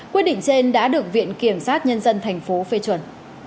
quyết định trên đã được viện kiểm sát nhân dân tp phê chuẩn